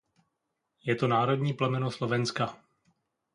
Je to národní plemeno Slovenska.